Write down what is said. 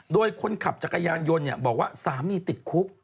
โดยคนขับจักรยานยนต์บอกว่าสามีติดคุก